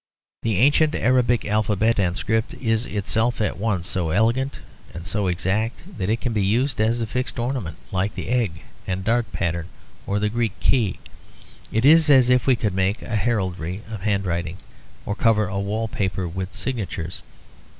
The ancient Arabic alphabet and script is itself at once so elegant and so exact that it can be used as a fixed ornament, like the egg and dart pattern or the Greek key. It is as if we could make a heraldry of handwriting, or cover a wall paper with signatures.